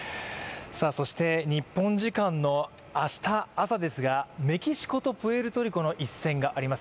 そして日本時間の明日朝ですがメキシコとプエルトリコの一戦があります。